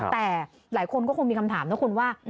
แต่หลายคนก็คงมีคำถามนะคุณว่า